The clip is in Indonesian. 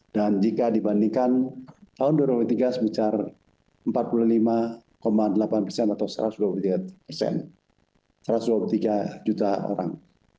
dan jika dibandingkan tahun dua ribu dua puluh tiga sebesar empat puluh lima delapan atau satu ratus dua puluh tiga juta orang